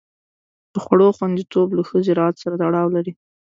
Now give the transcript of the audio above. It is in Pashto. د خوړو خوندیتوب له ښه زراعت سره تړاو لري.